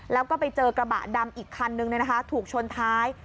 แล้วก็ไปเจอกระบะดำอีกคันนึงถูกชนท้าย